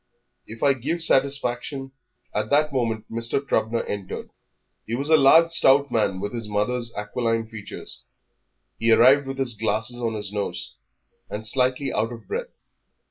If I give satisfaction " At that moment Mr. Trubner entered. He was a large, stout man, with his mother's aquiline features. He arrived with his glasses on his nose, and slightly out of breath.